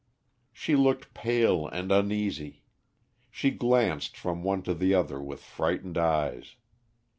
She looked pale and uneasy. She glanced from one to the other with frightened eyes.